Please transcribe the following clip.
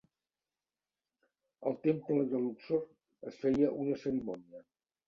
Al temple de Luxor es feia una cerimònia.